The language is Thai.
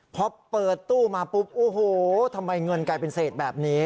พอเปิดตู้มาปุ๊บโอ้โหทำไมเงินกลายเป็นเศษแบบนี้